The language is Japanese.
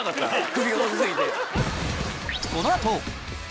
首が細過ぎて。